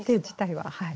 はい。